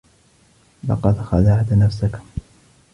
لقد خدعت نفسك.